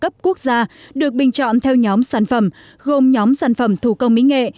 cấp quốc gia được bình chọn theo nhóm sản phẩm gồm nhóm sản phẩm thủ công mỹ nghệ